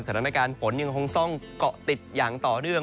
สถานการณ์ฝนยังคงต้องเกาะติดอย่างต่อเนื่อง